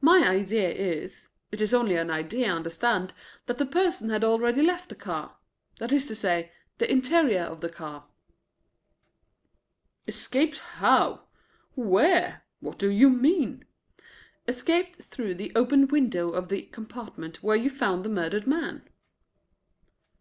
"My idea is it is only an idea, understand that the person had already left the car that is to say, the interior of the car." "Escaped how? Where? What do you mean?" "Escaped through the open window of the compartment where you found the murdered man."